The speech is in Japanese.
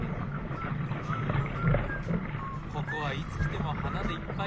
ここはいつ来ても花でいっぱい。